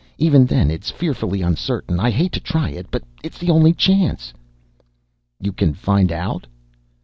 Even then it's fearfully uncertain. I hate to try it, but it's the only chance. "You can find out?"